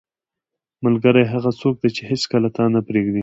• ملګری هغه څوک دی چې هیڅکله تا نه پرېږدي.